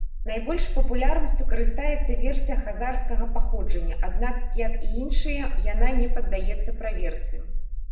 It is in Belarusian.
Найбольшай папулярнасцю карыстаецца версія хазарскага паходжання, аднак, як і іншыя, яна не паддаецца праверцы.